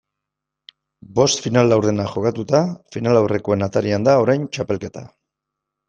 Bost final laurdenak jokatuta, finalaurrekoen atarian da orain txapelketa.